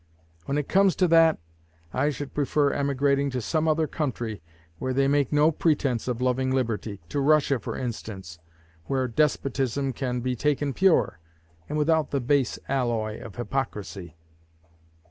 When it comes to that, I should prefer emigrating to some other country where they make no pretense of loving liberty to Russia for instance, where despotism can be taken pure, and without the base alloy of hypocrisy.